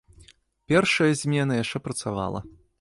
Першая змена яшчэ працавала.